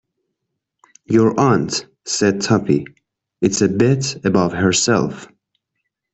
Your aunt," said Tuppy, "is a bit above herself.